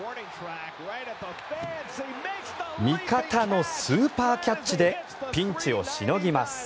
味方のスーパーキャッチでピンチをしのぎます。